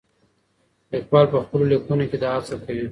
لیکوال په خپلو لیکنو کې دا هڅه کوي.